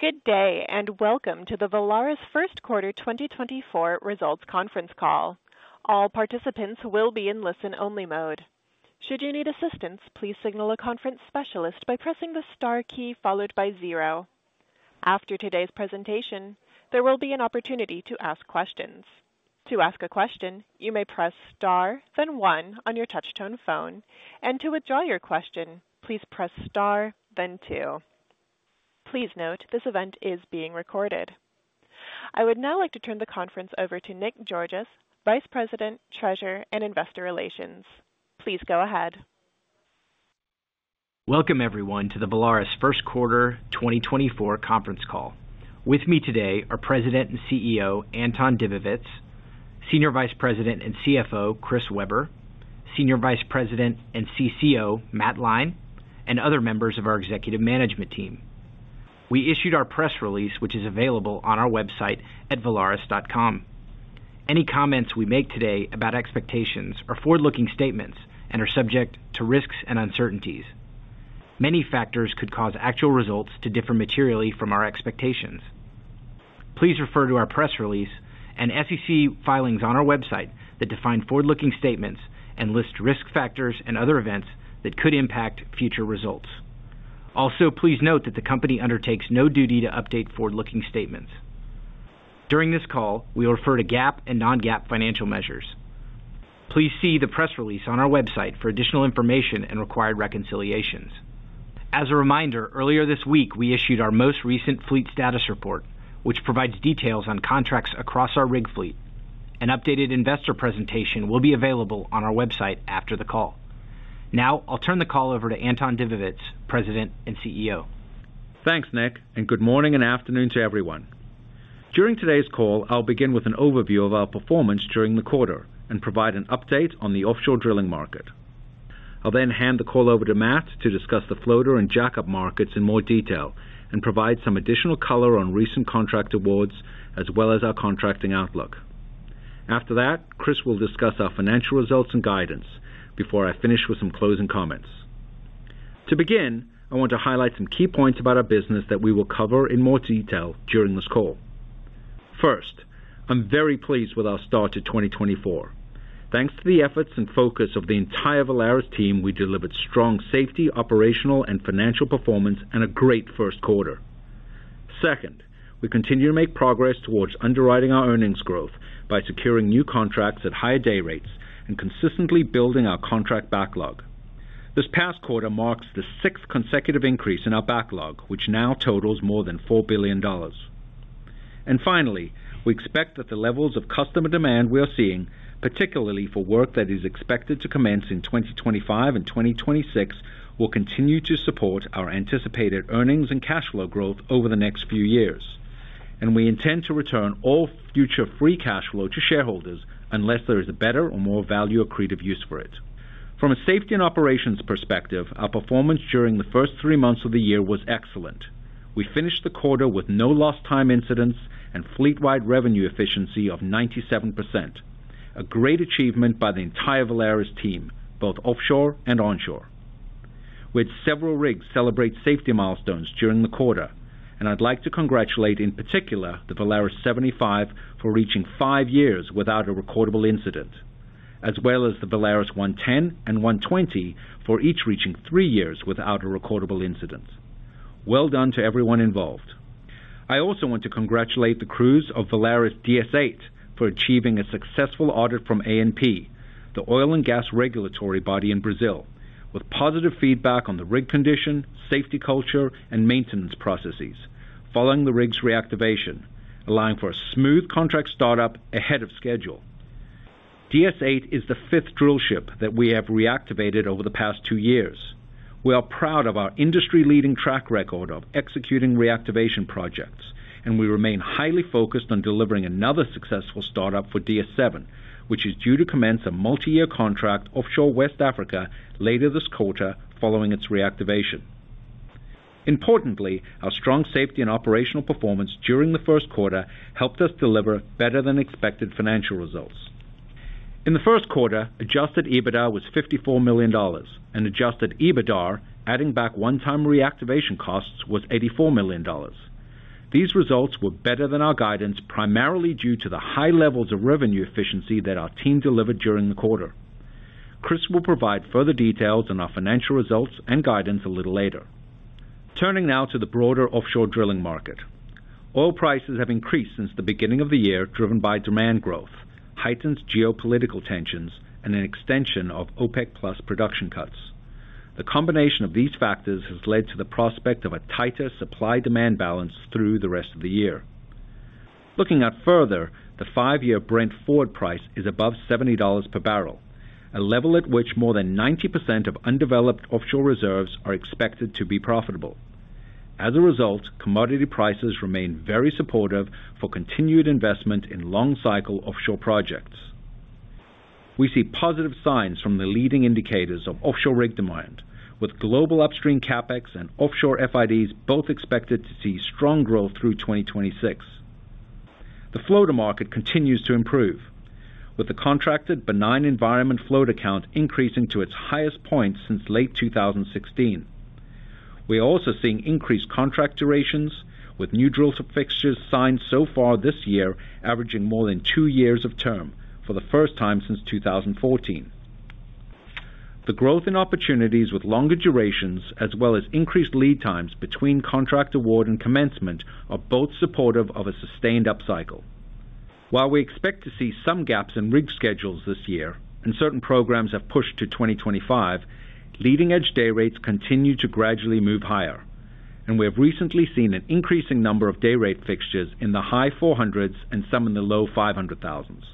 Good day, and welcome to the Valaris first quarter 2024 results conference call. All participants will be in listen-only mode. Should you need assistance, please signal a conference specialist by pressing the star key followed by zero. After today's presentation, there will be an opportunity to ask questions. To ask a question, you may press star then one on your touchtone phone, and to withdraw your question, please press star, then two. Please note, this event is being recorded. I would now like to turn the conference over to Nick Georgas, Vice President, Treasurer, and investor relations. Please go ahead. Welcome everyone, to the Valaris first quarter 2024 conference call. With me today are President and CEO, Anton Dibowitz, Senior Vice President and CFO, Chris Weber, Senior Vice President and CCO, Matt Lyne, and other members of our executive management team. We issued our press release, which is available on our website at valaris.com. Any comments we make today about expectations are forward-looking statements and are subject to risks and uncertainties. Many factors could cause actual results to differ materially from our expectations. Please refer to our press release and SEC filings on our website that define forward-looking statements and list risk factors and other events that could impact future results. Also, please note that the company undertakes no duty to update forward-looking statements. During this call, we refer to GAAP and non-GAAP financial measures. Please see the press release on our website for additional information and required reconciliations. As a reminder, earlier this week, we issued our most recent fleet status report, which provides details on contracts across our rig fleet. An updated investor presentation will be available on our website after the call. Now, I'll turn the call over to Anton Dibowitz, President and CEO. Thanks, Nick, and good morning and afternoon to everyone. During today's call, I'll begin with an overview of our performance during the quarter and provide an update on the offshore drilling market. I'll then hand the call over to Matt to discuss the floater and jackup markets in more detail and provide some additional color on recent contract awards, as well as our contracting outlook. After that, Chris will discuss our financial results and guidance before I finish with some closing comments. To begin, I want to highlight some key points about our business that we will cover in more detail during this call. First, I'm very pleased with our start to 2024. Thanks to the efforts and focus of the entire Valaris team, we delivered strong safety, operational, and financial performance, and a great first quarter. Second, we continue to make progress towards underwriting our earnings growth by securing new contracts at higher day rates and consistently building our contract backlog. This past quarter marks the sixth consecutive increase in our backlog, which now totals more than $4 billion. And finally, we expect that the levels of customer demand we are seeing, particularly for work that is expected to commence in 2025 and 2026, will continue to support our anticipated earnings and cash flow growth over the next few years. And we intend to return all future free cash flow to shareholders unless there is a better or more value accretive use for it. From a safety and operations perspective, our performance during the first three months of the year was excellent. We finished the quarter with no lost time incidents and fleet-wide revenue efficiency of 97%. A great achievement by the entire Valaris team, both offshore and onshore. We had several rigs celebrate safety milestones during the quarter, and I'd like to congratulate, in particular, the VALARIS 75, for reaching five years without a recordable incident, as well as the VALARIS 110 and 120 for each reaching threeyears without a recordable incident. Well done to everyone involved. I also want to congratulate the crews of VALARIS DS-8 for achieving a successful audit from ANP, the oil and gas regulatory body in Brazil, with positive feedback on the rig condition, safety culture, and maintenance processes following the rig's reactivation, allowing for a smooth contract start-up ahead of schedule. DS-8 is the fifth drillship that we have reactivated over the past two years. We are proud of our industry-leading track record of executing reactivation projects, and we remain highly focused on delivering another successful start-up for DS-7, which is due to commence a multi-year contract offshore West Africa later this quarter, following its reactivation. Importantly, our strong safety and operational performance during the first quarter helped us deliver better-than-expected financial results. In the first quarter, adjusted EBITDA was $54 million, and adjusted EBITDAR, adding back one-time reactivation costs, was $84 million. These results were better than our guidance, primarily due to the high levels of revenue efficiency that our team delivered during the quarter. Chris will provide further details on our financial results and guidance a little later. Turning now to the broader offshore drilling market. Oil prices have increased since the beginning of the year, driven by demand growth, heightened geopolitical tensions, and an extension of OPEC plus production cuts. The combination of these factors has led to the prospect of a tighter supply-demand balance through the rest of the year. Looking out further, the 5-year Brent forward price is above $70 per barrel, a level at which more than 90% of undeveloped offshore reserves are expected to be profitable. As a result, commodity prices remain very supportive for continued investment in long-cycle offshore projects. We see positive signs from the leading indicators of offshore rig demand, with global upstream CapEx and offshore FIDs both expected to see strong growth through 2026....The floater market continues to improve, with the contracted benign environment floater count increasing to its highest point since late 2016. We are also seeing increased contract durations, with new drill fixtures signed so far this year, averaging more than two years of term for the first time since 2014. The growth in opportunities with longer durations, as well as increased lead times between contract award and commencement, are both supportive of a sustained upcycle. While we expect to see some gaps in rig schedules this year, and certain programs have pushed to 2025, leading-edge day rates continue to gradually move higher, and we have recently seen an increasing number of day rate fixtures in the high $400,000s and some in the low $500,000s.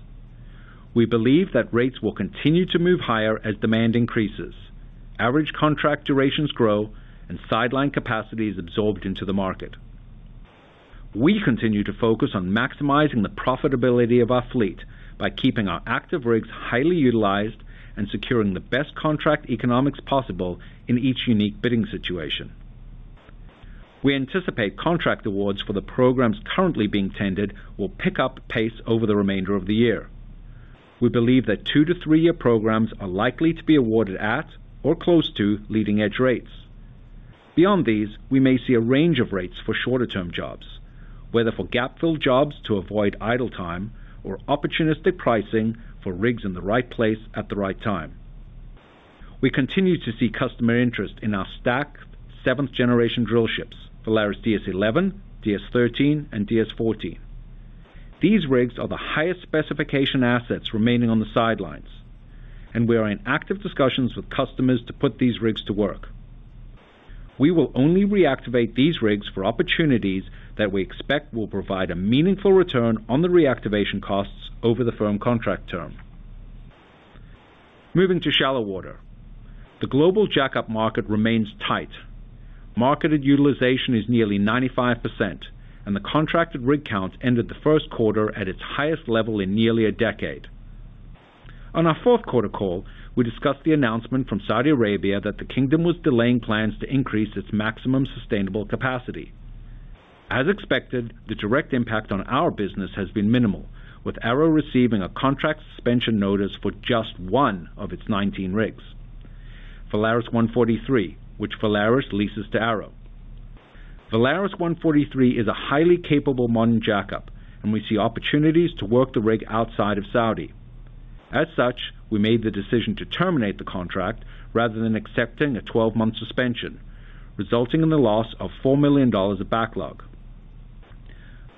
We believe that rates will continue to move higher as demand increases. Average contract durations grow, and sidelined capacity is absorbed into the market. We continue to focus on maximizing the profitability of our fleet by keeping our active rigs highly utilized and securing the best contract economics possible in each unique bidding situation. We anticipate contract awards for the programs currently being tendered will pick up pace over the remainder of the year. We believe that two-to-three-year programs are likely to be awarded at or close to leading-edge rates. Beyond these, we may see a range of rates for shorter-term jobs, whether for gap-fill jobs to avoid idle time or opportunistic pricing for rigs in the right place at the right time. We continue to see customer interest in our stack, seventh-generation drillships, VALARIS DS-11, DS-13, and DS-14. These rigs are the highest-specification assets remaining on the sidelines, and we are in active discussions with customers to put these rigs to work. We will only reactivate these rigs for opportunities that we expect will provide a meaningful return on the reactivation costs over the firm contract term. Moving to shallow water. The global jackup market remains tight. Marketed utilization is nearly 95%, and the contracted rig count ended the first quarter at its highest level in nearly a decade. On our fourth quarter call, we discussed the announcement from Saudi Arabia that the kingdom was delaying plans to increase its maximum sustainable capacity. As expected, the direct impact on our business has been minimal, with ARO receiving a contract suspension notice for just one of its 19 rigs: VALARIS 143, which Valaris leases to ARO. VALARIS 143 is a highly capable modern jackup, and we see opportunities to work the rig outside of Saudi. As such, we made the decision to terminate the contract rather than accepting a 12-month suspension, resulting in the loss of $4 million of backlog.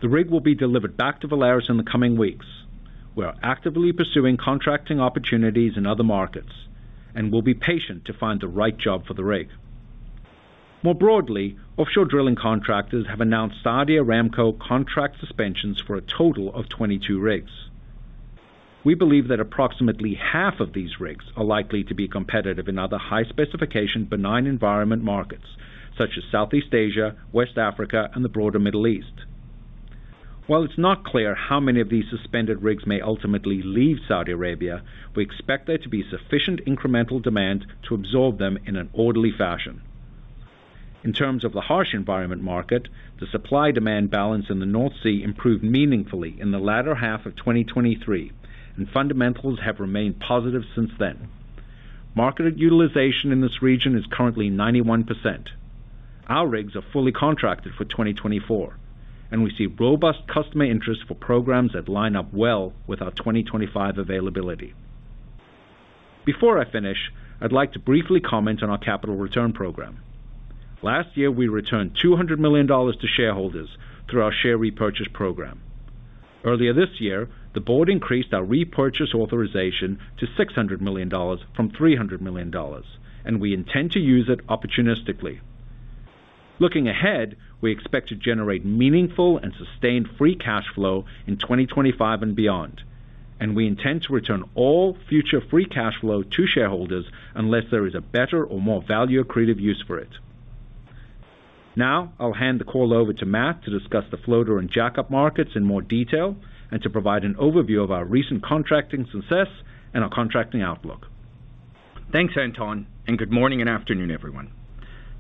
The rig will be delivered back to Valaris in the coming weeks. We are actively pursuing contracting opportunities in other markets and will be patient to find the right job for the rig. More broadly, offshore drilling contractors have announced Saudi Aramco contract suspensions for a total of 22 rigs. We believe that approximately half of these rigs are likely to be competitive in other high-specification, benign environment markets, such as Southeast Asia, West Africa, and the broader Middle East. While it's not clear how many of these suspended rigs may ultimately leave Saudi Arabia, we expect there to be sufficient incremental demand to absorb them in an orderly fashion. In terms of the harsh environment market, the supply-demand balance in the North Sea improved meaningfully in the latter half of 2023, and fundamentals have remained positive since then. Marketed utilization in this region is currently 91%. Our rigs are fully contracted for 2024, and we see robust customer interest for programs that line up well with our 2025 availability. Before I finish, I'd like to briefly comment on our capital return program. Last year, we returned $200 million to shareholders through our share repurchase program. Earlier this year, the board increased our repurchase authorization to $600 million from $300 million, and we intend to use it opportunistically. Looking ahead, we expect to generate meaningful and sustained free cash flow in 2025 and beyond, and we intend to return all future free cash flow to shareholders unless there is a better or more value-accretive use for it. Now, I'll hand the call over to Matt to discuss the floater and jackup markets in more detail and to provide an overview of our recent contracting success and our contracting outlook. Thanks, Anton, and good morning and afternoon, everyone.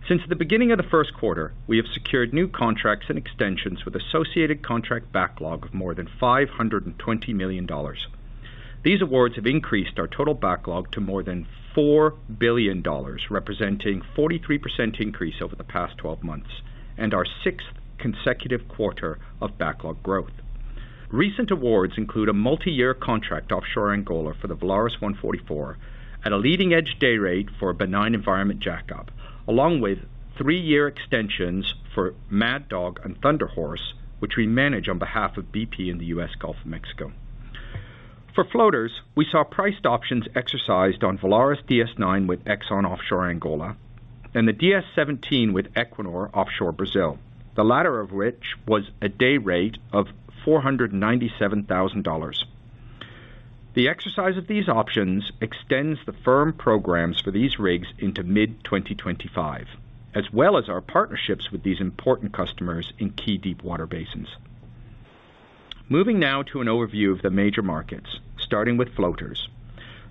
Since the beginning of the first quarter, we have secured new contracts and extensions with associated contract backlog of more than $520 million. These awards have increased our total backlog to more than $4 billion, representing 43% increase over the past 12 months and our 6th consecutive quarter of backlog growth. Recent awards include a multiyear contract offshore Angola for the VALARIS 144 at a leading-edge day rate for a benign environment jackup, along with three-year extensions for Mad Dog and Thunder Horse, which we manage on behalf of BP in the U.S. Gulf of Mexico. For floaters, we saw priced options exercised on VALARIS DS-9 with Exxon offshore Angola and the VALARIS DS-17 with Equinor offshore Brazil, the latter of which was a day rate of $497,000. The exercise of these options extends the firm programs for these rigs into mid-2025, as well as our partnerships with these important customers in key deepwater basins. Moving now to an overview of the major markets, starting with floaters.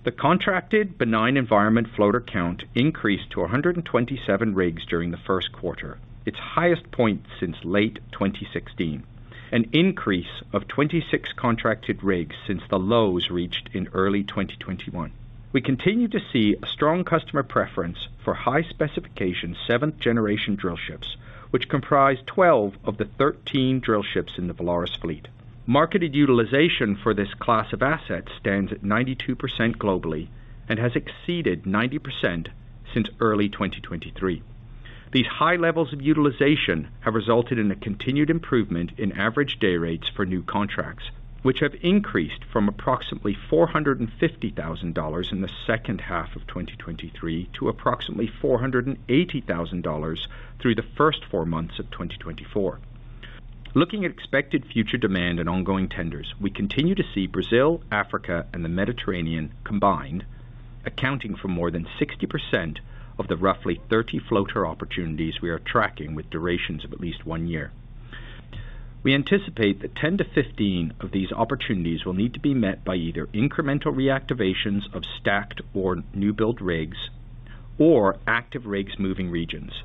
The contracted benign environment floater count increased to 127 rigs during the first quarter, its highest point since late 2016, an increase of 26 contracted rigs since the lows reached in early 2021. We continue to see a strong customer preference for high-specification, seventh-generation drill ships, which comprise 12 of the 13 drill ships in the Valaris fleet. Marketed utilization for this class of assets stands at 92% globally and has exceeded 90% since early 2023. These high levels of utilization have resulted in a continued improvement in average day rates for new contracts, which have increased from approximately $450,000 in the second half of 2023 to approximately $480,000 through the first four months of 2024. Looking at expected future demand and ongoing tenders, we continue to see Brazil, Africa, and the Mediterranean combined, accounting for more than 60% of the roughly 30 floater opportunities we are tracking, with durations of at least one year. We anticipate that 10-15 of these opportunities will need to be met by either incremental reactivations of stacked or new-build rigs, or active rigs moving regions.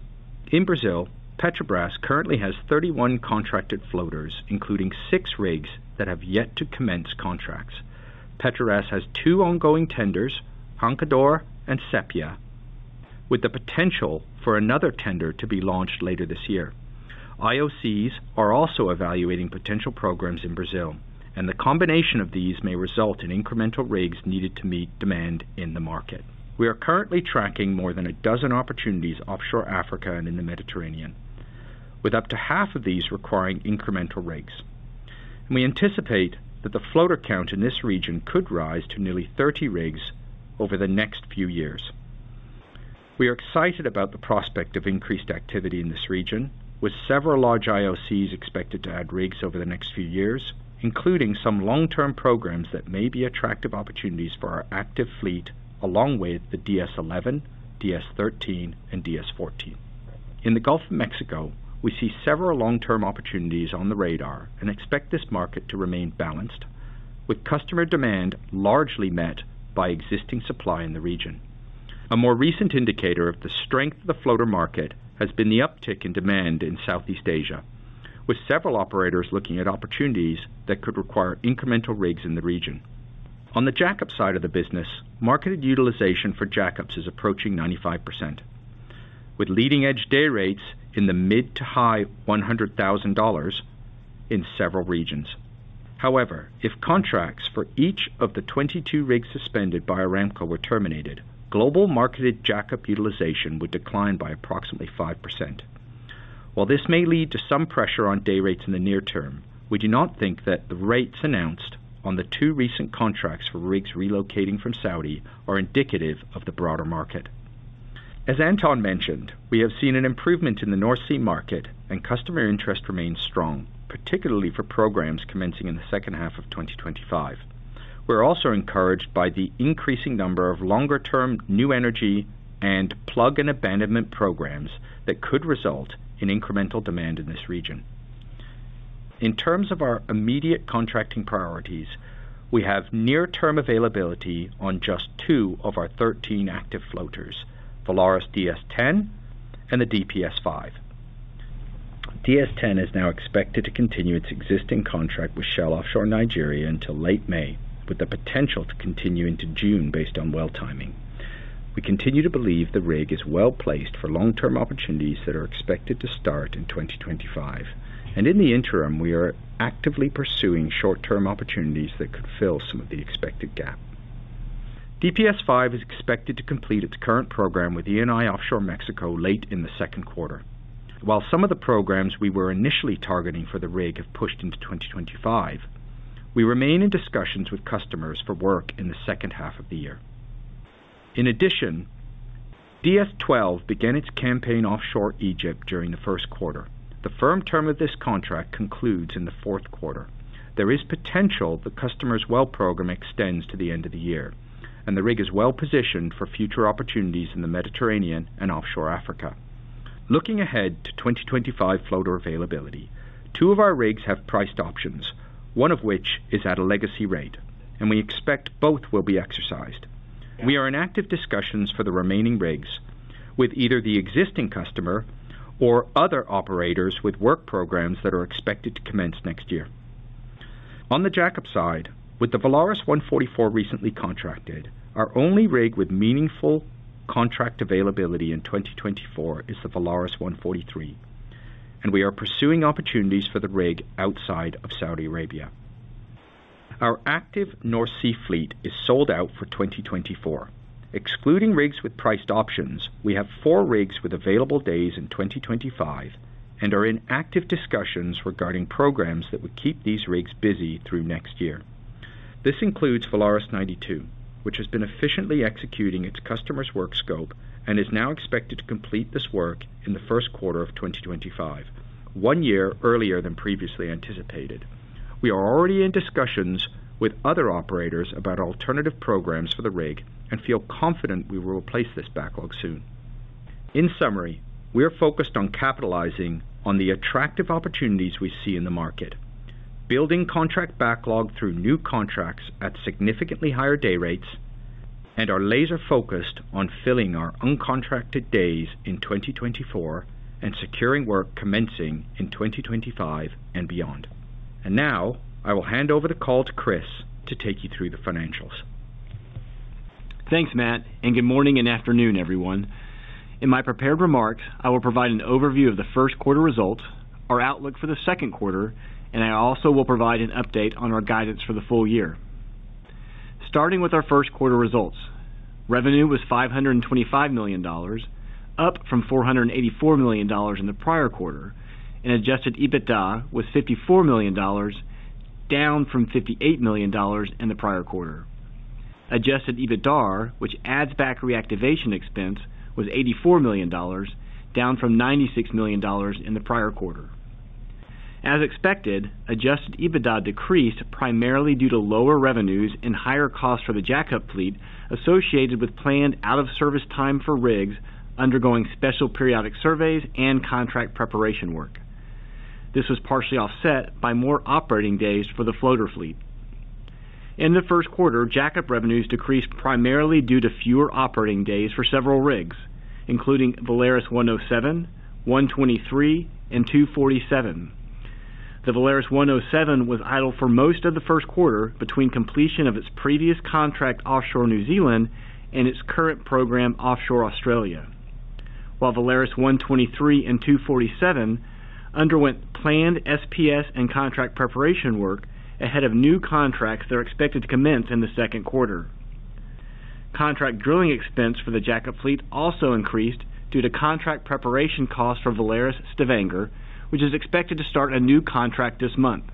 In Brazil, Petrobras currently has 31 contracted floaters, including six rigs that have yet to commence contracts. Petrobras has two ongoing tenders, Roncador and Sepia, with the potential for another tender to be launched later this year. IOCs are also evaluating potential programs in Brazil, and the combination of these may result in incremental rigs needed to meet demand in the market. We are currently tracking more than a dozen opportunities offshore Africa and in the Mediterranean, with up to half of these requiring incremental rigs. We anticipate that the floater count in this region could rise to nearly 30 rigs over the next few years. We are excited about the prospect of increased activity in this region, with several large IOCs expected to add rigs over the next few years, including some long-term programs that may be attractive opportunities for our active fleet, along with the DS-11, DS-13, and DS-14. In the Gulf of Mexico, we see several long-term opportunities on the radar and expect this market to remain balanced, with customer demand largely met by existing supply in the region. A more recent indicator of the strength of the floater market has been the uptick in demand in Southeast Asia, with several operators looking at opportunities that could require incremental rigs in the region. On the jackup side of the business, marketed utilization for jackups is approaching 95%, with leading-edge day rates in the mid- to high $100,000 in several regions. However, if contracts for each of the 22 rigs suspended by Aramco were terminated, global marketed jackup utilization would decline by approximately 5%. While this may lead to some pressure on day rates in the near term, we do not think that the rates announced on the two recent contracts for rigs relocating from Saudi are indicative of the broader market. As Anton mentioned, we have seen an improvement in the North Sea market, and customer interest remains strong, particularly for programs commencing in the second half of 2025. We're also encouraged by the increasing number of longer-term new energy and plug-and-abandonment programs that could result in incremental demand in this region. In terms of our immediate contracting priorities, we have near-term availability on just two of our 13 active floaters, VALARIS DS-10 and the DPS-5. DS-10 is now expected to continue its existing contract with Shell offshore Nigeria until late May, with the potential to continue into June based on well timing. We continue to believe the rig is well-placed for long-term opportunities that are expected to start in 2025, and in the interim, we are actively pursuing short-term opportunities that could fill some of the expected gap. DPS-5 is expected to complete its current program with ENI offshore Mexico late in the second quarter. While some of the programs we were initially targeting for the rig have pushed into 2025, we remain in discussions with customers for work in the second half of the year. In addition, DS-12 began its campaign offshore Egypt during the first quarter. The firm term of this contract concludes in the fourth quarter. There is potential the customer's well program extends to the end of the year, and the rig is well-positioned for future opportunities in the Mediterranean and offshore Africa. Looking ahead to 2025 floater availability, two of our rigs have priced options, one of which is at a legacy rate, and we expect both will be exercised. We are in active discussions for the remaining rigs with either the existing customer or other operators with work programs that are expected to commence next year. On the jackup side, with the Valaris 144 recently contracted, our only rig with meaningful contract availability in 2024 is the VALARIS 143, and we are pursuing opportunities for the rig outside of Saudi Arabia. Our active North Sea fleet is sold out for 2024. Excluding rigs with priced options, we have four rigs with available days in 2025 and are in active discussions regarding programs that would keep these rigs busy through next year. This includes VALARIS 92, which has been efficiently executing its customer's work scope and is now expected to complete this work in the first quarter of 2025, one year earlier than previously anticipated. We are already in discussions with other operators about alternative programs for the rig and feel confident we will replace this backlog soon. In summary, we are focused on capitalizing on the attractive opportunities we see in the market, building contract backlog through new contracts at significantly higher dayrates, and are laser-focused on filling our uncontracted days in 2024 and securing work commencing in 2025 and beyond. And now, I will hand over the call to Chris to take you through the financials. Thanks, Matt, and good morning and afternoon, everyone. In my prepared remarks, I will provide an overview of the first quarter results, our outlook for the second quarter, and I also will provide an update on our guidance for the full year. Starting with our first quarter results. Revenue was $525 million, up from $484 million in the prior quarter, and Adjusted EBITDA was $54 million, down from $58 million in the prior quarter. Adjusted EBITDAR, which adds back reactivation expense, was $84 million, down from $96 million in the prior quarter. As expected, Adjusted EBITDA decreased primarily due to lower revenues and higher costs for the jackup fleet associated with planned out-of-service time for rigs undergoing special periodic surveys and contract preparation work. This was partially offset by more operating days for the floater fleet. In the first quarter, jackup revenues decreased primarily due to fewer operating days for several rigs, including VALARIS 107, 123, and 247. The VALARIS 107 was idle for most of the first quarter between completion of its previous contract offshore New Zealand and its current program offshore Australia, while VALARIS 123 and 247 underwent planned SPS and contract preparation work ahead of new contracts that are expected to commence in the second quarter. Contract drilling expense for the jackup fleet also increased due to contract preparation costs for Valaris Stavanger, which is expected to start a new contract this month.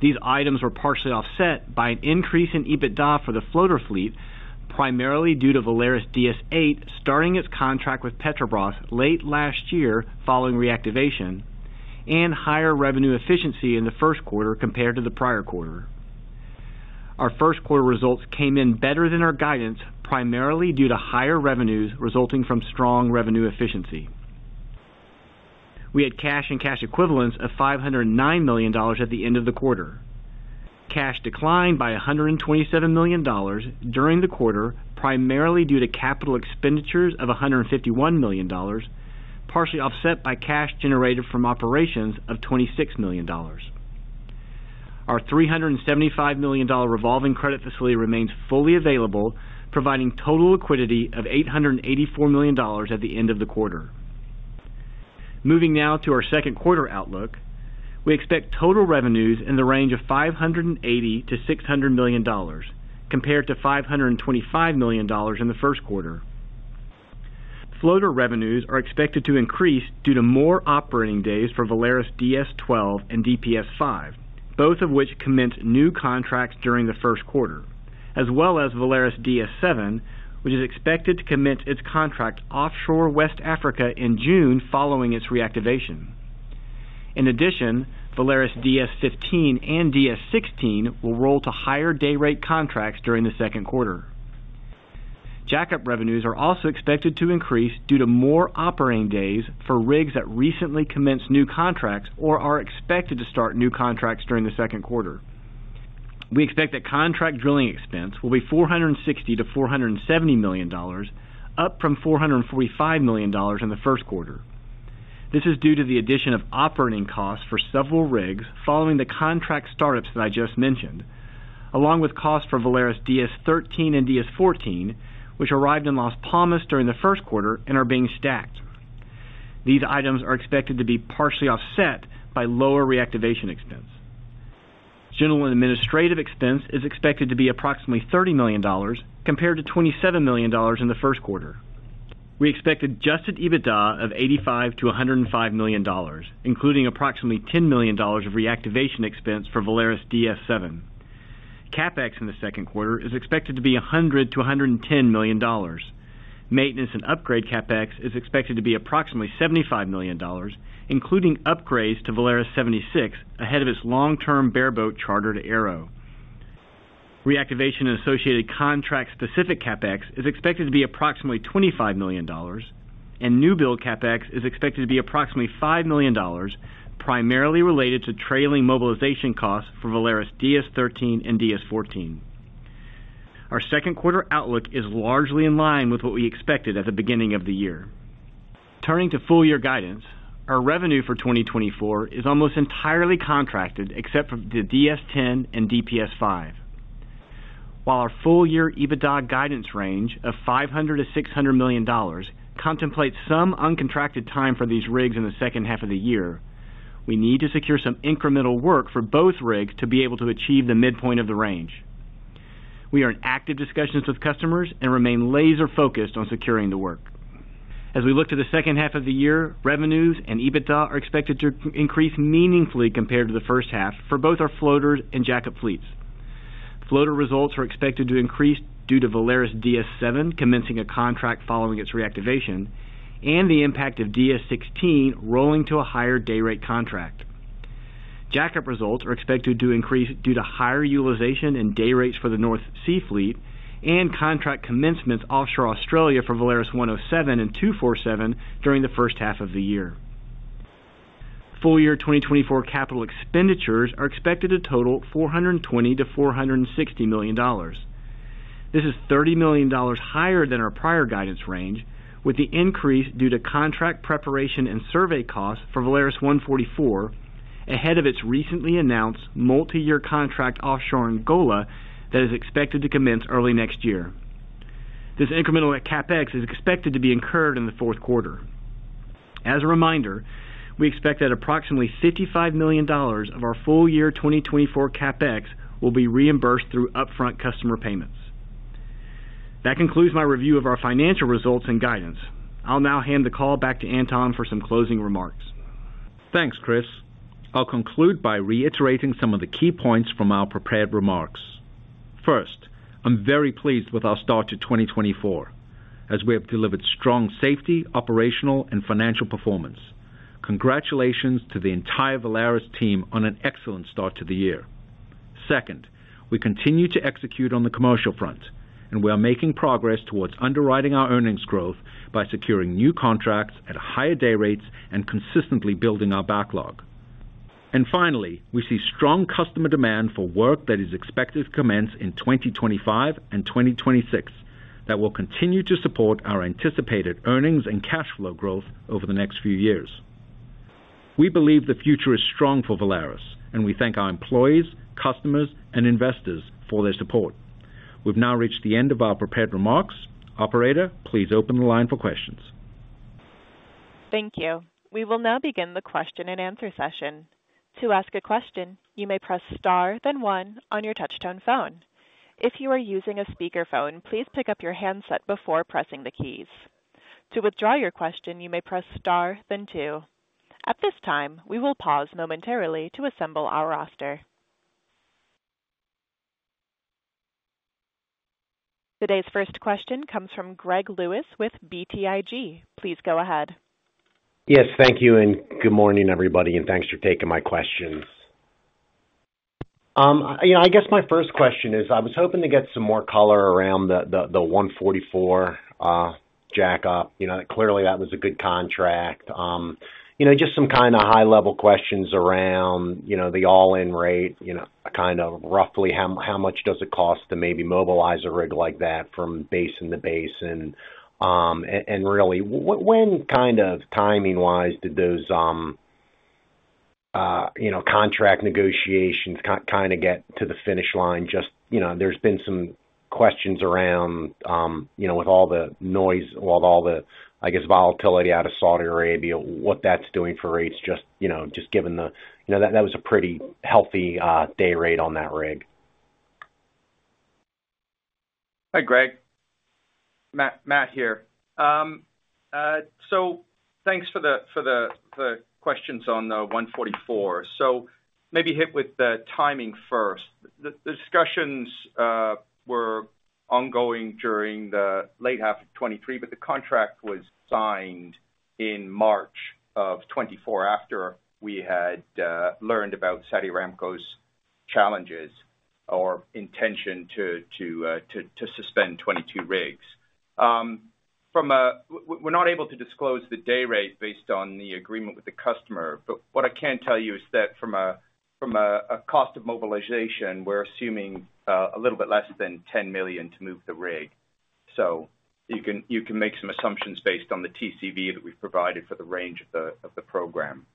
These items were partially offset by an increase in EBITDA for the floater fleet, primarily due to VALARIS DS-8 starting its contract with Petrobras late last year following reactivation and higher revenue efficiency in the first quarter compared to the prior quarter. Our first quarter results came in better than our guidance, primarily due to higher revenues resulting from strong revenue efficiency. We had cash and cash equivalents of $509 million at the end of the quarter. Cash declined by $127 million during the quarter, primarily due to capital expenditures of $151 million, partially offset by cash generated from operations of $26 million. Our $375 million revolving credit facility remains fully available, providing total liquidity of $884 million at the end of the quarter. Moving now to our second quarter outlook, we expect total revenues in the range of $580 million-$600 million, compared to $525 million in the first quarter. Floater revenues are expected to increase due to more operating days for VALARIS DS-12 and DPS-5, both of which commenced new contracts during the first quarter, as well as VALARIS DS-7, which is expected to commence its contract offshore West Africa in June, following its reactivation. In addition, VALARIS DS-15 and DS-16 will roll to higher day rate contracts during the second quarter. Jackup revenues are also expected to increase due to more operating days for rigs that recently commenced new contracts or are expected to start new contracts during the second quarter. We expect that contract drilling expense will be $460-$470 million, up from $445 million in the first quarter. This is due to the addition of operating costs for several rigs following the contract startups that I just mentioned, along with costs for VALARIS DS-13 and DS-14, which arrived in Las Palmas during the first quarter and are being stacked. These items are expected to be partially offset by lower reactivation expense. General and administrative expense is expected to be approximately $30 million, compared to $27 million in the first quarter. We expect Adjusted EBITDA of $85 million-$105 million, including approximately $10 million of reactivation expense for VALARIS DS-7. CapEx in the second quarter is expected to be $100 million-$110 million. Maintenance and upgrade CapEx is expected to be approximately $75 million, including upgrades to VALARIS 76 ahead of its long-term bareboat charter to ARO. Reactivation and associated contract-specific CapEx is expected to be approximately $25 million, and newbuild CapEx is expected to be approximately $5 million, primarily related to trailing mobilization costs for VALARIS DS-13 and DS-14. Our second quarter outlook is largely in line with what we expected at the beginning of the year. Turning to full-year guidance, our revenue for 2024 is almost entirely contracted except for the DS-10 and DPS-5. While our full-year EBITDA guidance range of $500 million-$600 million contemplates some uncontracted time for these rigs in the second half of the year, we need to secure some incremental work for both rigs to be able to achieve the midpoint of the range. We are in active discussions with customers and remain laser-focused on securing the work. As we look to the second half of the year, revenues and EBITDA are expected to increase meaningfully compared to the first half for both our floaters and jackup fleets. Floater results are expected to increase due to VALARIS DS-7 commencing a contract following its reactivation and the impact of DS-16 rolling to a higher day rate contract. Jackup results are expected to increase due to higher utilization and day rates for the North Sea fleet and contract commencements offshore Australia for VALARIS 107 and 247 during the first half of the year. Full year 2024 capital expenditures are expected to total $420 million-$460 million. This is $30 million higher than our prior guidance range, with the increase due to contract preparation and survey costs for VALARIS 144, ahead of its recently announced multi-year contract offshore Angola that is expected to commence early next year. This incremental CapEx is expected to be incurred in the fourth quarter. As a reminder, we expect that approximately $55 million of our full year 2024 CapEx will be reimbursed through upfront customer payments. That concludes my review of our financial results and guidance. I'll now hand the call back to Anton for some closing remarks. Thanks, Chris. I'll conclude by reiterating some of the key points from our prepared remarks. First, I'm very pleased with our start to 2024, as we have delivered strong safety, operational, and financial performance. Congratulations to the entire Valaris team on an excellent start to the year. Second, we continue to execute on the commercial front, and we are making progress towards underwriting our earnings growth by securing new contracts at higher day rates and consistently building our backlog. And finally, we see strong customer demand for work that is expected to commence in 2025 and 2026 that will continue to support our anticipated earnings and cash flow growth over the next few years. We believe the future is strong for Valaris, and we thank our employees, customers, and investors for their support. We've now reached the end of our prepared remarks. Operator, please open the line for questions. Thank you. We will now begin the question-and-answer session. To ask a question, you may press Star, then one on your touchtone phone. If you are using a speakerphone, please pick up your handset before pressing the keys. To withdraw your question, you may press Star, then two. At this time, we will pause momentarily to assemble our roster. Today's first question comes from Greg Lewis with BTIG. Please go ahead. Yes, thank you, and good morning, everybody, and thanks for taking my questions. You know, I guess my first question is: I was hoping to get some more color around the 144 jackup. You know, clearly, that was a good contract. You know, just some kinda high-level questions around, you know, the all-in rate, you know, kind of roughly how much does it cost to maybe mobilize a rig like that from basin to basin? And really, when kind of timing-wise did those, you know, contract negotiations kinda get to the finish line? Just, you know, there's been some questions around, you know, with all the noise, with all the, I guess, volatility out of Saudi Arabia, what that's doing for rates, just, you know, just given the... You know, that was a pretty healthy day rate on that rig. Hi, Greg. Matt here. So thanks for the questions on the 144. So maybe hit with the timing first. The discussions were ongoing during the late half of 2023, but the contract was signed in March of 2024, after we had learned about Saudi Aramco's challenges or intention to suspend 22 rigs. We're not able to disclose the day rate based on the agreement with the customer, but what I can tell you is that from a cost of mobilization, we're assuming a little bit less than $10 million to move the rig. So you can make some assumptions based on the TCV that we've provided for the range of the program.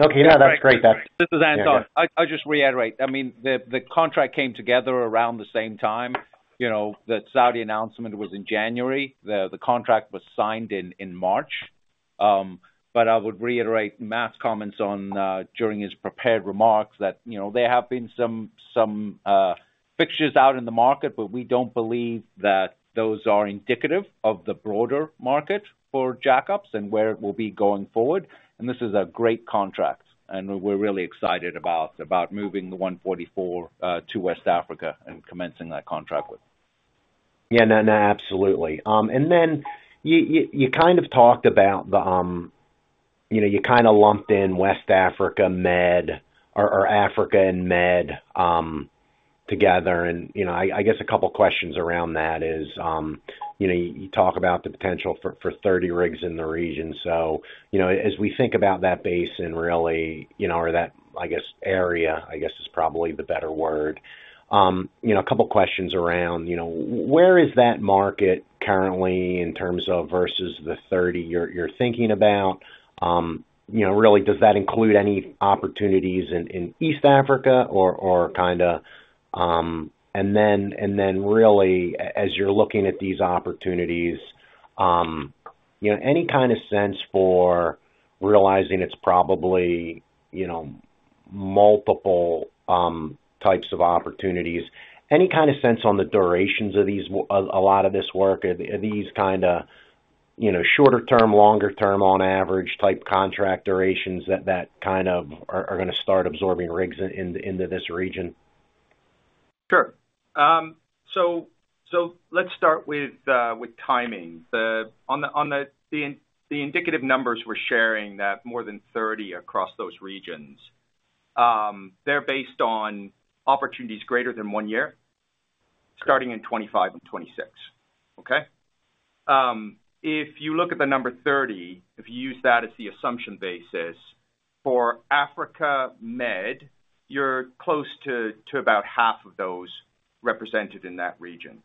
Okay, yeah, that's great. This is Anton. I'll just reiterate, I mean, the contract came together around the same time. You know, the Saudi announcement was in January. The contract was signed in March. But I would reiterate Matt's comments on during his prepared remarks that, you know, there have been some fixtures out in the market, but we don't believe that those are indicative of the broader market for jackups and where it will be going forward. And this is a great contract, and we're really excited about moving the 144 to West Africa and commencing that contract with. Yeah. No, no, absolutely. And then you, you, you kind of talked about the, you know, you kinda lumped in West Africa, Med or, or Africa and Med, together, and, you know, I, I guess a couple of questions around that is, you know, you talk about the potential for, for 30 rigs in the region. So, you know, as we think about that basin, really, you know, or that, I guess, area, I guess, is probably the better word. You know, a couple questions around, you know, where is that market currently in terms of versus the 30 you're, you're thinking about? You know, really, does that include any opportunities in, in East Africa or, or kinda... And then, really, as you're looking at these opportunities, you know, any kind of sense for realizing it's probably, you know, multiple types of opportunities. Any kind of sense on the durations of these a lot of this work? Are these kinda, you know, shorter term, longer term on average type contract durations that kind of are gonna start absorbing rigs into this region?... Sure. So let's start with timing. The indicative numbers we're sharing that more than 30 across those regions, they're based on opportunities greater than one year, starting in 2025 and 2026. Okay? If you look at the number 30, if you use that as the assumption basis for Africa Med, you're close to about half of those represented in that region.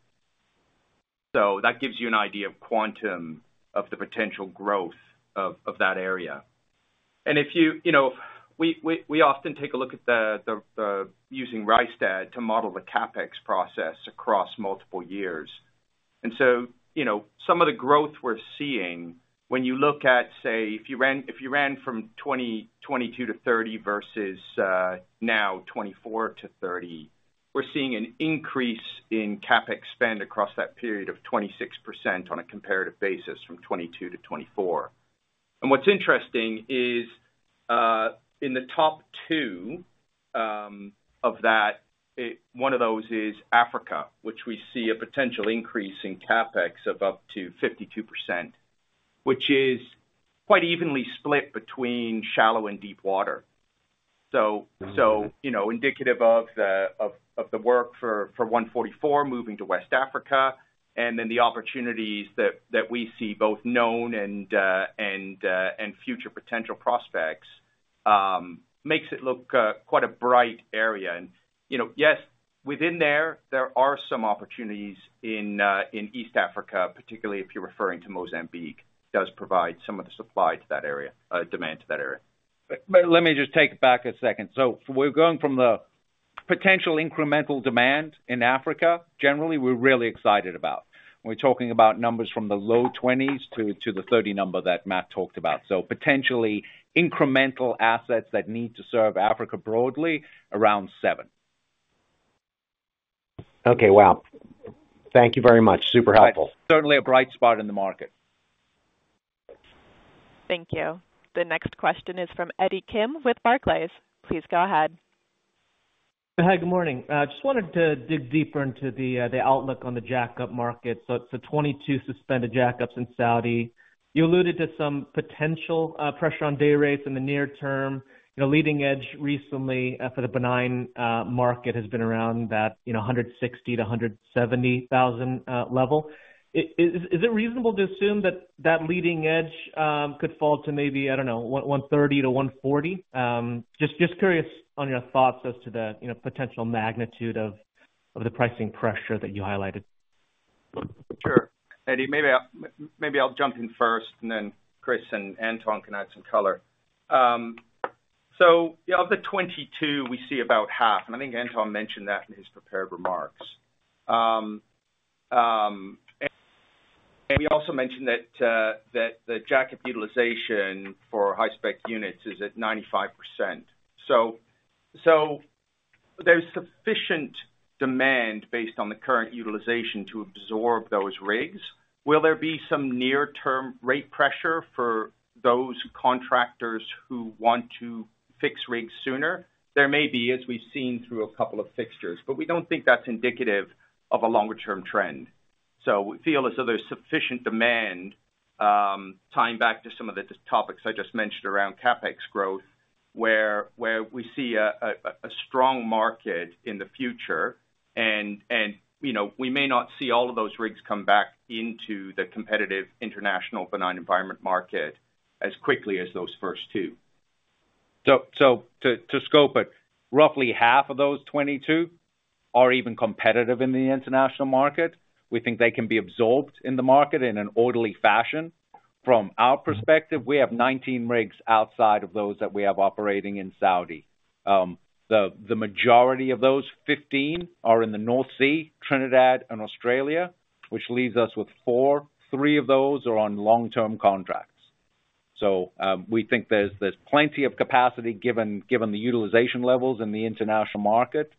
So that gives you an idea of quantum of the potential growth of that area. And if you, you know, we often take a look at using Rystad to model the CapEx process across multiple years. So, you know, some of the growth we're seeing when you look at, say, if you ran from 2022 to 2030 versus now 2024 to 2030, we're seeing an increase in CapEx spend across that period of 26% on a comparative basis from 2022 to 2024. And what's interesting is, in the top two of that, one of those is Africa, which we see a potential increase in CapEx of up to 52%, which is quite evenly split between shallow and deep water. So, you know, indicative of the work for 144 moving to West Africa, and then the opportunities that we see, both known and future potential prospects, makes it look quite a bright area. You know, yes, within there, there are some opportunities in, in East Africa, particularly if you're referring to Mozambique, does provide some of the supply to that area, demand to that area. But let me just take it back a second. So we're going from the potential incremental demand in Africa, generally, we're really excited about. We're talking about numbers from the low 20s to, to the 30 number that Matt talked about. So potentially incremental assets that need to serve Africa broadly, around seven. Okay. Wow! Thank you very much. Super helpful. Certainly a bright spot in the market. Thank you. The next question is from Eddie Kim with Barclays. Please go ahead. Hi, good morning. Just wanted to dig deeper into the outlook on the jackup market. So it's the 22 suspended jackups in Saudi. You alluded to some potential pressure on day rates in the near term. You know, leading edge recently for the benign market has been around that, you know, $160,000-$170,000 level. Is it reasonable to assume that that leading edge could fall to maybe, I don't know, $130,000-$140,000? Just curious on your thoughts as to the, you know, potential magnitude of the pricing pressure that you highlighted. Sure, Eddie. Maybe I'll jump in first, and then Chris and Anton can add some color. So of the 22, we see about half, and I think Anton mentioned that in his prepared remarks. And he also mentioned that the jackup utilization for high spec units is at 95%. So there's sufficient demand based on the current utilization to absorb those rigs. Will there be some near-term rate pressure for those contractors who want to fix rigs sooner? There may be, as we've seen through a couple of fixtures, but we don't think that's indicative of a longer-term trend. So we feel as though there's sufficient demand, tying back to some of the topics I just mentioned around CapEx growth, where we see a strong market in the future, and, you know, we may not see all of those rigs come back into the competitive international benign environment market as quickly as those first two. So, to scope it, roughly half of those 22 are even competitive in the international market. We think they can be absorbed in the market in an orderly fashion. From our perspective, we have 19 rigs outside of those that we have operating in Saudi. The majority of those 15 are in the North Sea, Trinidad, and Australia, which leaves us with 4. 3 of those are on long-term contracts. So, we think there's plenty of capacity given the utilization levels in the international market.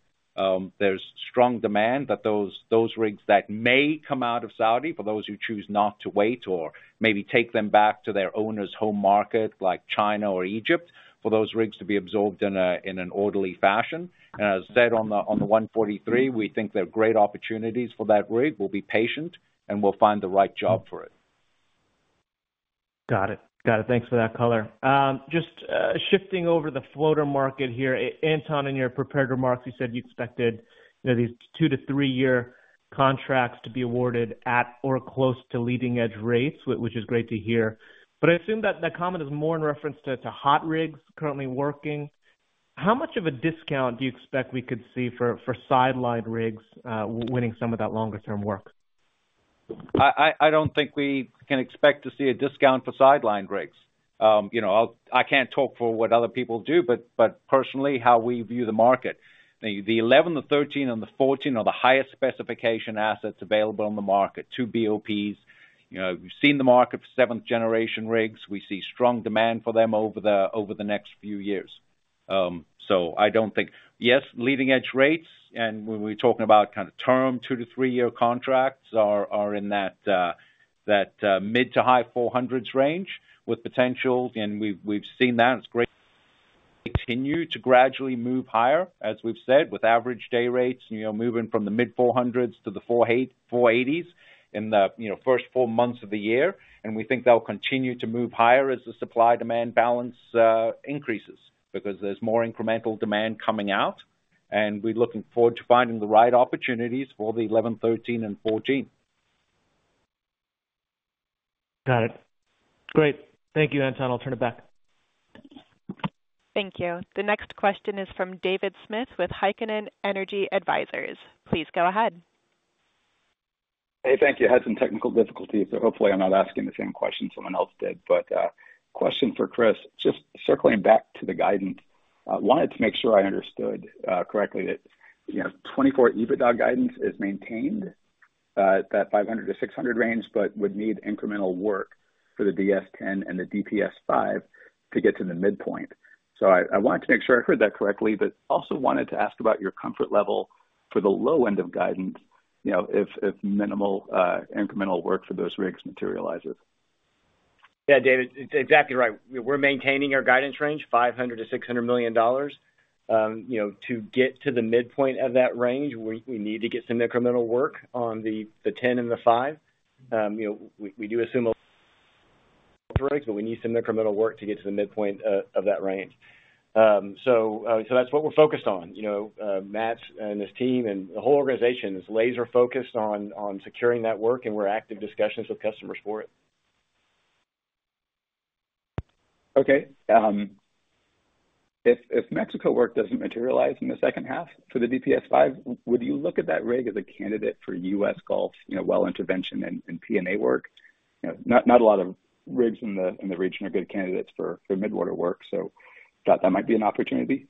There's strong demand that those rigs that may come out of Saudi, for those who choose not to wait or maybe take them back to their owner's home market, like China or Egypt, for those rigs to be absorbed in an orderly fashion. As said, on the 143, we think there are great opportunities for that rig. We'll be patient, and we'll find the right job for it. Got it. Got it. Thanks for that color. Just, shifting over the floater market here. Anton, in your prepared remarks, you said you expected, you know, these two-to-three-year contracts to be awarded at or close to leading-edge rates, which is great to hear. But I assume that, that comment is more in reference to, to hot rigs currently working. How much of a discount do you expect we could see for, for sidelined rigs, winning some of that longer term work? I don't think we can expect to see a discount for sidelined rigs. You know, I'll—I can't talk for what other people do, but personally, how we view the market, the 11, the 13, and the 14 are the highest specification assets available on the market, 2 BOPs. You know, we've seen the market for seventh generation rigs. We see strong demand for them over the next few years. So I don't think... Yes, leading-edge rates, and when we're talking about kind of term, two-to-three-year contracts are in that mid- to high 400s range with potential, and we've seen that, it's great. continue to gradually move higher, as we've said, with average day rates, you know, moving from the mid-$400s to the $480s in the, you know, first four months of the year. And we think they'll continue to move higher as the supply-demand balance increases, because there's more incremental demand coming out, and we're looking forward to finding the right opportunities for the 11, 13, and 14. Got it. Great. Thank you, Anton. I'll turn it back. Thank you. The next question is from David Smith with Heikkinen Energy Advisors. Please go ahead. Hey, thank you. I had some technical difficulties, so hopefully I'm not asking the same question someone else did. But question for Chris. Just circling back to the guidance, I wanted to make sure I understood correctly that, you know, 2024 EBITDA guidance is maintained at that $500 million-$600 million range, but would need incremental work for the DS-10 and the DPS-5 to get to the midpoint. So I wanted to make sure I heard that correctly, but also wanted to ask about your comfort level for the low end of guidance, you know, if minimal incremental work for those rigs materializes. Yeah, David, it's exactly right. We're maintaining our guidance range, $500 million-$600 million. You know, to get to the midpoint of that range, we need to get some incremental work on the 10 and the five. You know, we do assume. But we need some incremental work to get to the midpoint of that range. So that's what we're focused on. You know, Matt and his team and the whole organization is laser-focused on securing that work, and we're active discussions with customers for it. Okay, if Mexico work doesn't materialize in the second half for the DPS-5, would you look at that rig as a candidate for U.S. Gulf, you know, well intervention and P&A work? You know, not a lot of rigs in the region are good candidates for midwater work, so thought that might be an opportunity.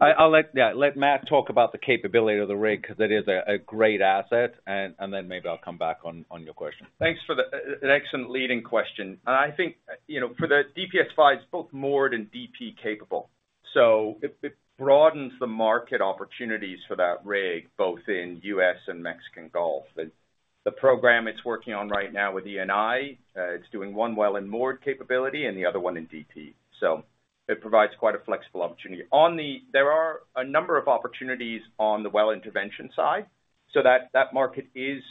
I'll let yeah, let Matt talk about the capability of the rig, because it is a great asset, and then maybe I'll come back on your question. Thanks for the, an excellent leading question. And I think, you know, for the DPS-5, it's both moored and DP capable, so it broadens the market opportunities for that rig, both in U.S. and Mexican Gulf. The program it's working on right now with ENI, it's doing one well in moored capability and the other one in DP. So it provides quite a flexible opportunity. On the. There are a number of opportunities on the well intervention side, so that market is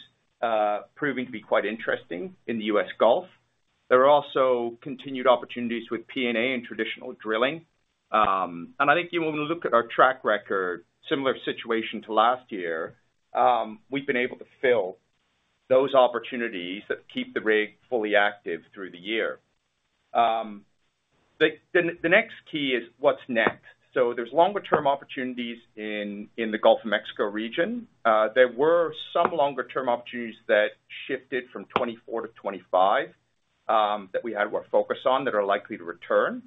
proving to be quite interesting in the U.S. Gulf. There are also continued opportunities with P&A and traditional drilling. And I think you want to look at our track record, similar situation to last year, we've been able to fill those opportunities that keep the rig fully active through the year. The next key is what's next? So there's longer term opportunities in the Gulf of Mexico region. There were some longer term opportunities that shifted from 2024 to 2025, that we had more focus on, that are likely to return,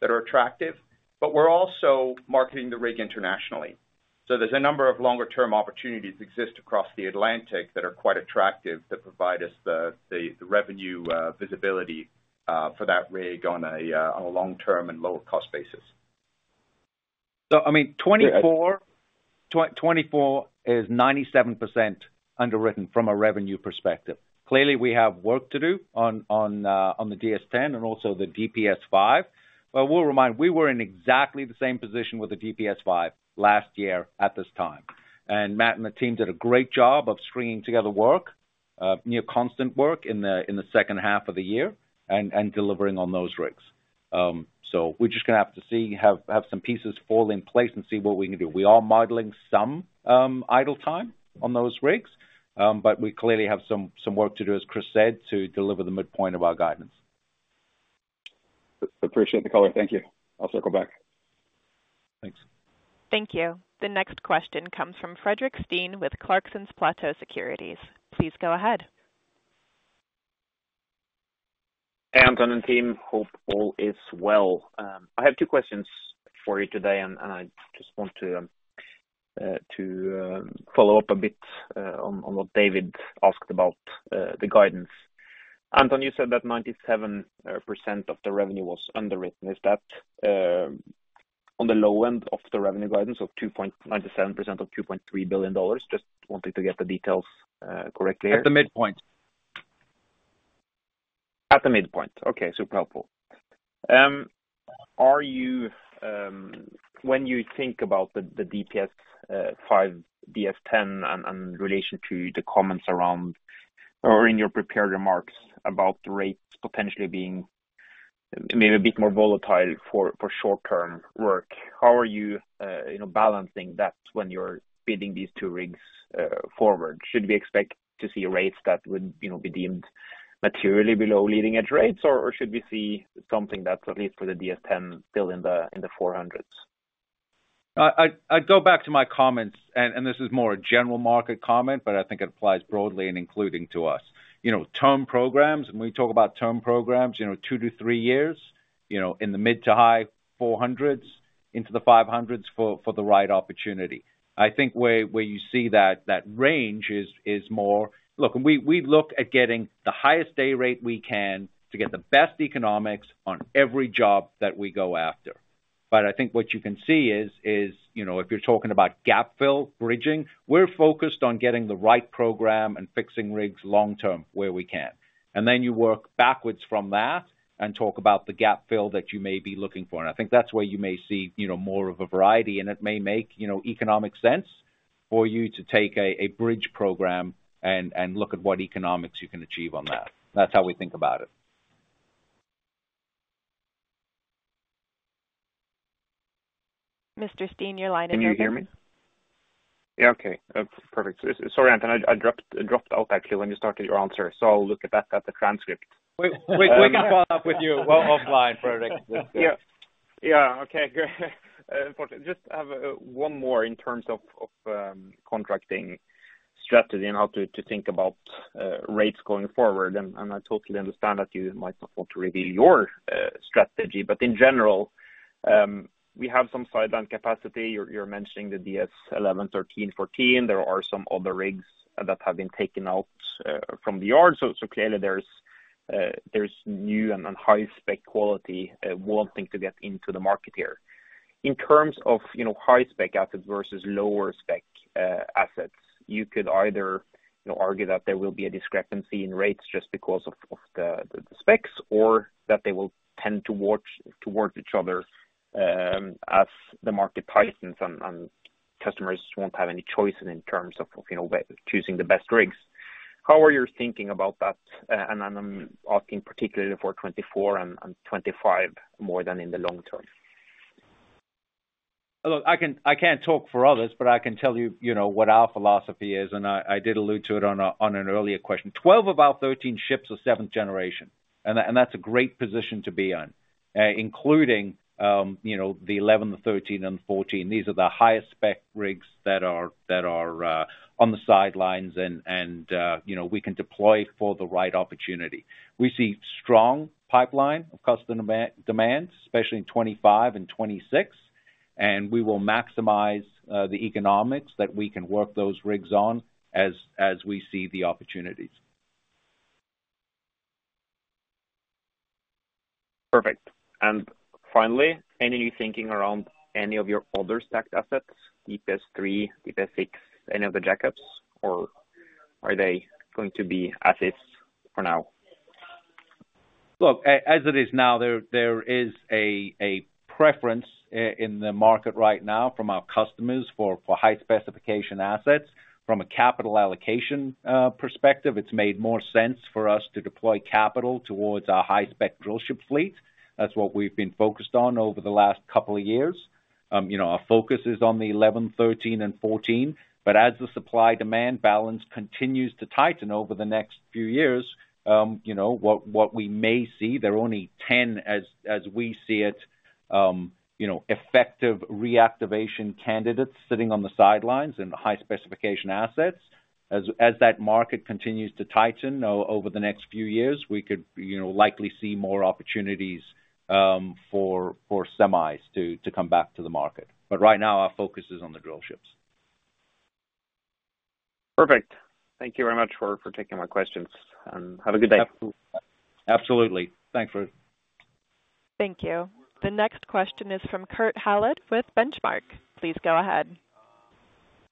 that are attractive, but we're also marketing the rig internationally. So there's a number of longer term opportunities exist across the Atlantic that are quite attractive, that provide us the revenue visibility for that rig on a long-term and lower cost basis. So I mean, 2024 is 97% underwritten from a revenue perspective. Clearly, we have work to do on the DS-10 and also the DPS-5. But we'll remind, we were in exactly the same position with the DPS-5 last year at this time, and Matt and the team did a great job of securing together work, near constant work in the second half of the year and delivering on those rigs. So we're just gonna have to see, have some pieces fall in place and see what we can do. We are modeling some idle time on those rigs, but we clearly have some work to do, as Chris said, to deliver the midpoint of our guidance. Appreciate the call in. Thank you. I'll circle back. Thanks. Thank you. The next question comes from Fredrik Stene with Clarksons Platou Securities. Please go ahead. Hey, Anton and team, hope all is well. I have two questions for you today, and I just want to follow up a bit, on what David asked about, the guidance. Anton, you said that 97% of the revenue was underwritten. Is that on the low end of the revenue guidance of two point—97% of $2.3 billion? Just wanted to get the details correctly. At the midpoint. At the midpoint. Okay, super helpful. Are you, when you think about the DPS-5, DS-10, and in relation to the comments around or in your prepared remarks about the rates potentially being maybe a bit more volatile for short-term work, how are you, you know, balancing that when you're bidding these two rigs forward? Should we expect to see rates that would, you know, be deemed materially below leading-edge rates, or should we see something that's, at least for the DS-10, still in the four hundreds? I'd go back to my comments, and this is more a general market comment, but I think it applies broadly and including to us. You know, term programs, when we talk about term programs, you know, two-to-three-year, you know, in the mid- to high $400s into the $500s for, for the right opportunity. I think where you see that range is more... Look, we look at getting the highest day rate we can to get the best economics on every job that we go after... but I think what you can see is, you know, if you're talking about gap fill bridging, we're focused on getting the right program and fixing rigs long term where we can. Then you work backwards from that and talk about the gap fill that you may be looking for. I think that's where you may see, you know, more of a variety, and it may make, you know, economic sense for you to take a bridge program and look at what economics you can achieve on that. That's how we think about it. Mr. Stene, your line is open. Can you hear me? Yeah, okay. Perfect. Sorry, Anton, I dropped out actually when you started your answer, so I'll look at that at the transcript. We can follow up with you well offline, Fredrik. Yeah. Yeah. Okay, great. Just have one more in terms of contracting strategy and how to think about rates going forward. And I totally understand that you might not want to reveal your strategy. But in general, we have some side down capacity. You're mentioning the DS-11, DS-13, DS-14. There are some other rigs that have been taken out from the yard. So clearly there's new and high spec quality wanting to get into the market here. In terms of, you know, high spec assets versus lower spec assets, you could either, you know, argue that there will be a discrepancy in rates just because of the specs, or that they will tend to wash towards each other, as the market tightens and customers won't have any choice in terms of, you know, choosing the best rigs. How are you thinking about that? And I'm asking particularly for 2024 and 2025, more than in the long term. Look, I can't talk for others, but I can tell you, you know, what our philosophy is, and I did allude to it on an earlier question. 12 of our 13 ships are seventh generation, and that's a great position to be on, including, you know, the 11, the 13 and 14. These are the highest spec rigs that are on the sidelines, and, you know, we can deploy for the right opportunity. We see strong pipeline of customer demand, especially in 2025 and 2026, and we will maximize the economics that we can work those rigs on as we see the opportunities. Perfect. And finally, any new thinking around any of your other stacked assets, DS-3, DS-6, any of the jackups, or are they going to be as is for now? Look, as it is now, there is a preference in the market right now from our customers for high specification assets. From a capital allocation perspective, it's made more sense for us to deploy capital towards our high spec drillship fleet. That's what we've been focused on over the last couple of years. You know, our focus is on the 11, 13 and 14, but as the supply-demand balance continues to tighten over the next few years, you know, what we may see, there are only 10 as we see it, you know, effective reactivation candidates sitting on the sidelines and high specification assets. As that market continues to tighten over the next few years, we could, you know, likely see more opportunities for semis to come back to the market. But right now, our focus is on the drillships. Perfect. Thank you very much for taking my questions, and have a good day. Absolutely. Thanks, Fredrik. Thank you. The next question is from Kurt Hallead with Benchmark. Please go ahead.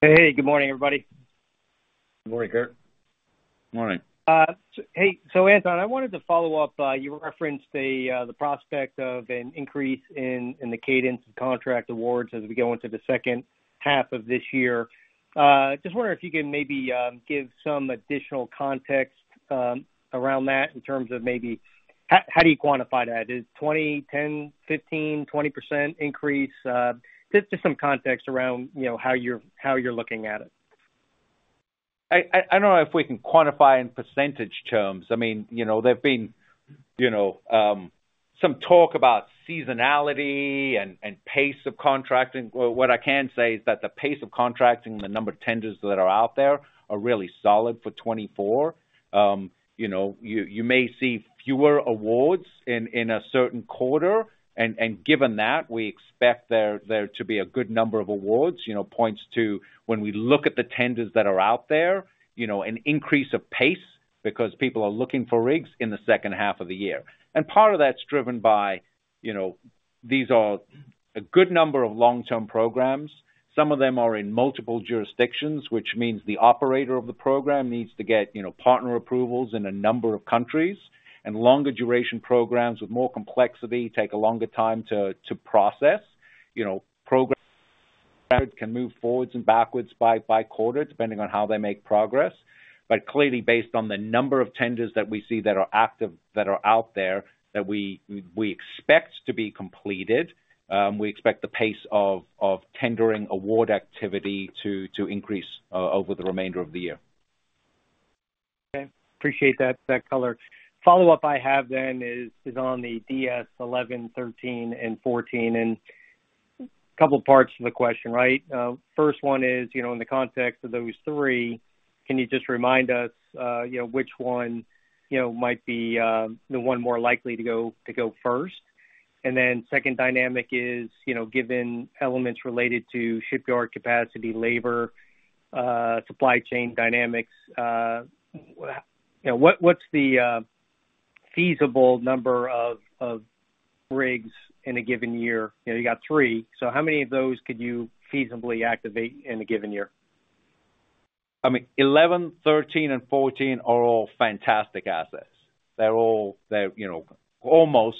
Hey. Good morning, everybody. Good morning, Kurt. Morning. So hey, so Anton, I wanted to follow up. You referenced the prospect of an increase in the cadence of contract awards as we go into the second half of this year. Just wondering if you can maybe give some additional context around that in terms of maybe how do you quantify that? Is 20, 10, 15, 20% increase? Just some context around you know, how you're looking at it. I don't know if we can quantify in percentage terms. I mean, you know, there've been, you know, some talk about seasonality and pace of contracting. Well, what I can say is that the pace of contracting and the number of tenders that are out there are really solid for 2024. You know, you may see fewer awards in a certain quarter, and given that, we expect there to be a good number of awards, you know, points to when we look at the tenders that are out there, you know, an increase of pace because people are looking for rigs in the second half of the year. And part of that's driven by, you know, these are a good number of long-term programs. Some of them are in multiple jurisdictions, which means the operator of the program needs to get, you know, partner approvals in a number of countries, and longer duration programs with more complexity take a longer time to process. You know, program can move forwards and backwards by quarter, depending on how they make progress. But clearly, based on the number of tenders that we see that are active, that are out there, that we expect to be completed, we expect the pace of tendering award activity to increase over the remainder of the year. Okay. Appreciate that, that color. Follow-up I have then is on the DS-11, 13, and 14, and couple parts to the question, right? First one is, you know, in the context of those three, can you just remind us, you know, which one, you know, might be the one more likely to go, to go first? And then second dynamic is, you know, given elements related to shipyard capacity, labor, supply chain dynamics, you know, what, what's the, ... feasible number of rigs in a given year? You know, you got 3, so how many of those could you feasibly activate in a given year? I mean, 11, 13, and 14 are all fantastic assets. They're all, you know, almost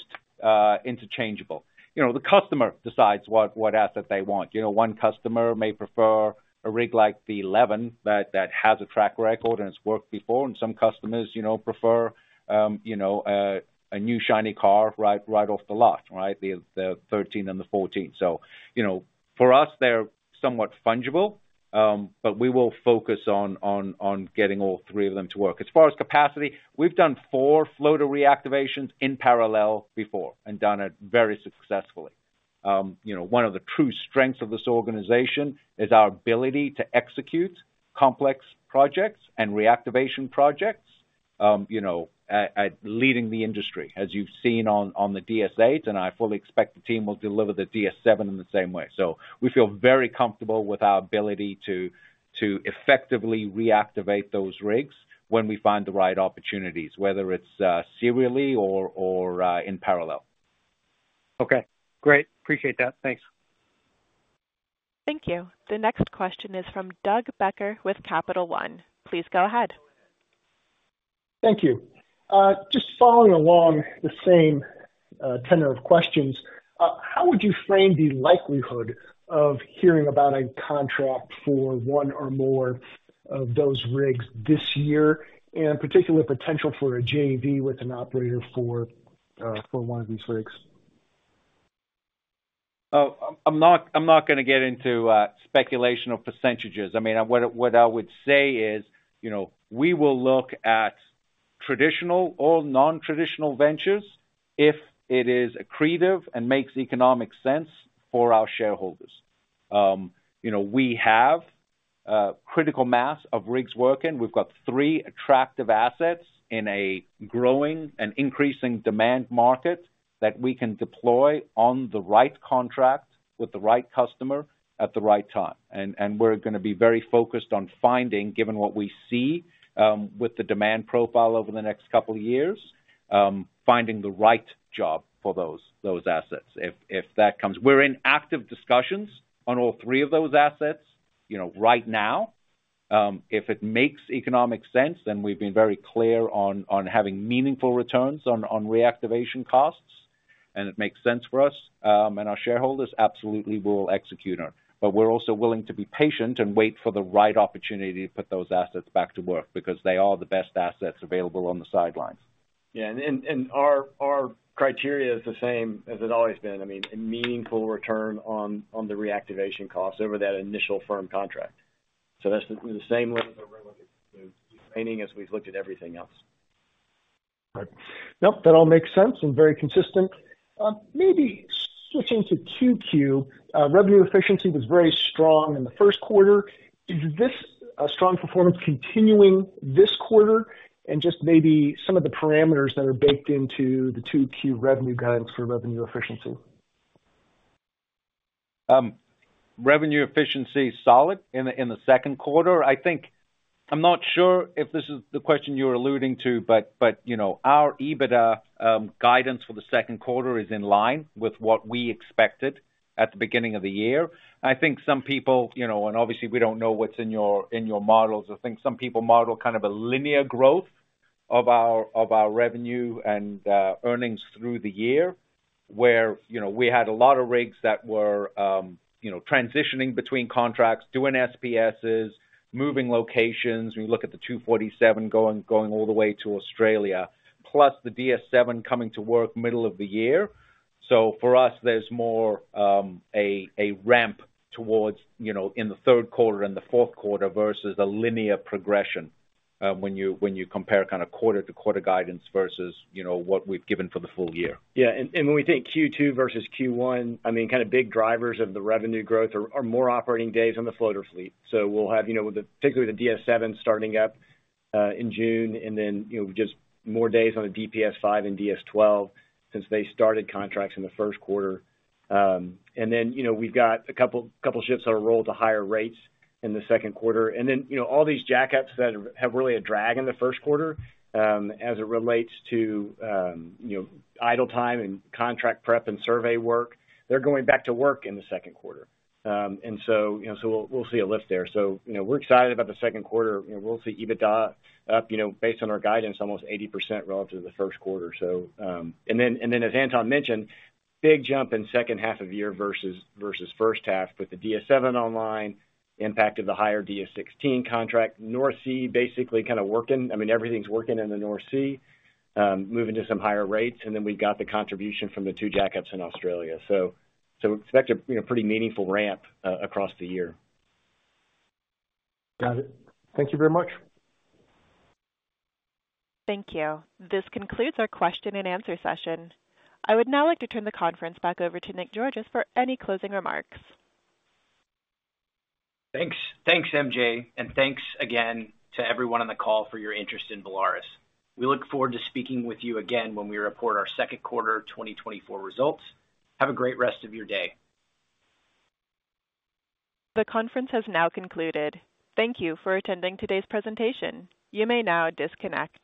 interchangeable. You know, the customer decides what asset they want. You know, one customer may prefer a rig like the 11 that has a track record and it's worked before, and some customers, you know, prefer a new shiny car right, right off the lot, right? The 13 and the 14. So, you know, for us, they're somewhat fungible, but we will focus on getting all three of them to work. As far as capacity, we've done 4 floater reactivations in parallel before and done it very successfully. You know, one of the true strengths of this organization is our ability to execute complex projects and reactivation projects, you know, at leading the industry, as you've seen on the DS-8, and I fully expect the team will deliver the DS-7 in the same way. So we feel very comfortable with our ability to effectively reactivate those rigs when we find the right opportunities, whether it's serially or in parallel. Okay, great. Appreciate that. Thanks. Thank you. The next question is from Doug Becker with Capital One. Please go ahead. Thank you. Ju`st following along the same tenor of questions, how would you frame the likelihood of hearing about a contract for one or more of those rigs this year, and in particular, potential for a JV with an operator for one of these rigs? Oh, I'm not gonna get into speculation of percentages. I mean, what I would say is, you know, we will look at traditional or non-traditional ventures if it is accretive and makes economic sense for our shareholders. You know, we have critical mass of rigs working. We've got three attractive assets in a growing and increasing demand market that we can deploy on the right contract with the right customer at the right time. And we're gonna be very focused on finding, given what we see, with the demand profile over the next couple of years, finding the right job for those assets, if that comes. We're in active discussions on all three of those assets, you know, right now. If it makes economic sense, then we've been very clear on having meaningful returns on reactivation costs. And it makes sense for us, and our shareholders absolutely will execute on it. But we're also willing to be patient and wait for the right opportunity to put those assets back to work, because they are the best assets available on the sidelines. Yeah, and our criteria is the same as it's always been, I mean, a meaningful return on the reactivation costs over that initial firm contract. So that's the same way as we've looked at everything else. Right. Nope, that all makes sense and very consistent. Maybe switching to Q2, revenue efficiency was very strong in the first quarter. Is this strong performance continuing this quarter? And just maybe some of the parameters that are baked into the Q2 revenue guidance for revenue efficiency. Revenue efficiency is solid in the second quarter. I think... I'm not sure if this is the question you're alluding to, but, but, you know, our EBITDA guidance for the second quarter is in line with what we expected at the beginning of the year. I think some people, you know, and obviously we don't know what's in your models. I think some people model kind of a linear growth of our revenue and earnings through the year, where, you know, we had a lot of rigs that were, you know, transitioning between contracts, doing SPSs, moving locations. We look at the 247 going all the way to Australia, plus the DS-7 coming to work middle of the year. So for us, there's more, a ramp towards, you know, in the third quarter and the fourth quarter versus a linear progression, when you compare kind of quarter-to-quarter guidance versus, you know, what we've given for the full year. Yeah, and when we think Q2 versus Q1, I mean, kind of big drivers of the revenue growth are more operating days on the floater fleet. So we'll have, you know, with, particularly, the DS-7 starting up in June, and then, you know, just more days on the DPS-5 and DS-12 since they started contracts in the first quarter. And then, you know, we've got a couple ships that are rolled to higher rates in the second quarter. And then, you know, all these jackups that have really a drag in the first quarter as it relates to, you know, idle time and contract prep and survey work, they're going back to work in the second quarter. And so, you know, we'll see a lift there. So, you know, we're excited about the second quarter. You know, we'll see EBITDA up, you know, based on our guidance, almost 80% relative to the first quarter. So, and then, as Anton mentioned, big jump in second half of the year versus first half with the DS-7 online, impact of the higher DS-16 contract. North Sea, basically kind of working. I mean, everything's working in the North Sea, moving to some higher rates, and then we've got the contribution from the two jackups in Australia. So, expect a, you know, pretty meaningful ramp across the year. Got it. Thank you very much. Thank you. This concludes our question and answer session. I would now like to turn the conference back over to Nick Georgas for any closing remarks. Thanks. Thanks, MJ, and thanks again to everyone on the call for your interest in Valaris. We look forward to speaking with you again when we report our second quarter 2024 results. Have a great rest of your day. The conference has now concluded. Thank you for attending today's presentation. You may now disconnect.